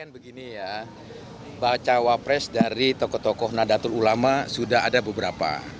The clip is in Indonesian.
begini ya bacawa pres dari tokoh tokoh nadatul ulama sudah ada beberapa